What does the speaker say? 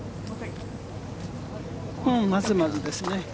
まずまずですね。